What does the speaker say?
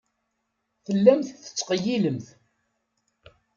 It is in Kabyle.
Tellamt tettqeyyilemt.